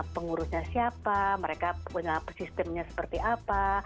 pengurusnya siapa mereka punya sistemnya seperti apa